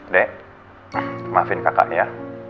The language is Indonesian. dek maafin kakak ya